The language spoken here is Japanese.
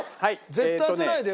絶対当てないでよ